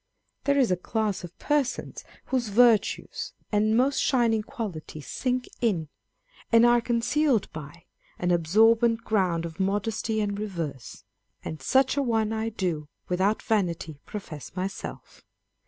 There is a class of persons whose virtues and most shining qualities sink in, On Reading Old Books. 315 and are concealed by, an absorbent ground of modesty and reserve ; and such a one I do, without vanity, profess myself.